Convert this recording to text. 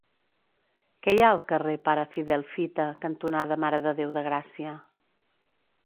Què hi ha al carrer Pare Fidel Fita cantonada Mare de Déu de Gràcia?